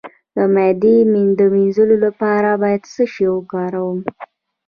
د معدې د مینځلو لپاره باید څه شی وکاروم؟